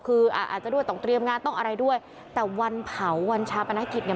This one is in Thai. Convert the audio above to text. คืออาจจะด้วยต้องเตรียมงานต้องอะไรด้วยแต่วันเผาวันชาปนกิจเนี่ย